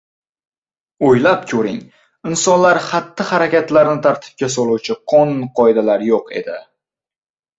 O‘ylab ko‘ring, insonlar xatti-harakatlarini tartibga soluvchi qonun-qoidalar yo‘q edi